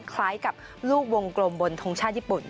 คล้ายกับลูกวงกลมบนทงชาติญี่ปุ่น